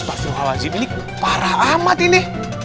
pak surhalazim ini parah amat ini